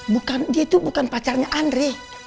bukan dia tuh bukan pacarnya andre